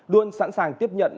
luôn sẵn sàng tiếp nhận